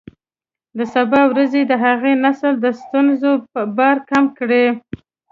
د سبا ورځې د هغه نسل د ستونزو بار کم کړئ.